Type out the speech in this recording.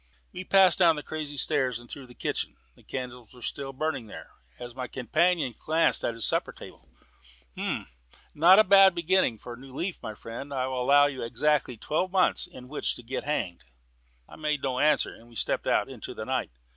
We passed down the crazy stairs and through the kitchen. The candles were still burning there. As my companion glanced at the supper table, "H'm," he said, "not a bad beginning of a new leaf. My friend, I will allow you exactly twelve months in which to get hanged." I made no answer, and we stepped out into the night.